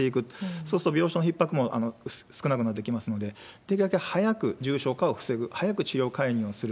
そうすると病床のひっ迫も少なくなってきますので、できるだけ早く重症化を防ぐ、早く治療介入をする。